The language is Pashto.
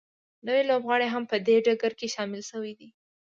نوي لوبغاړي هم په دې ډګر کې شامل شوي دي